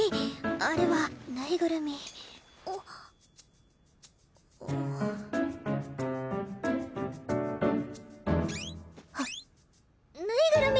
あれはぬいぐるみぬいぐるみ！